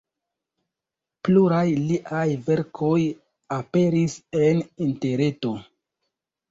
Pluraj liaj verkoj aperis en interreto.